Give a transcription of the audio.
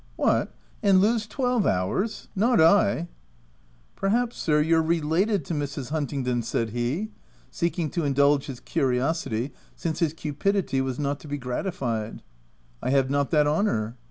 " What, and lose twelve hours ? not I." u Perhaps, sir, you're related to Mrs. Hunt ingdon ?" said he, seeking to indulge his curi osity since his cupidity was not to be gratified. " T have not that honour."